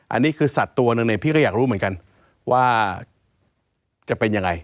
อันนี้คือสัตว์ตัวหนึ่งเนี่ยพี่ก็อยากรู้เหมือนกันว่าจะเป็นยังไง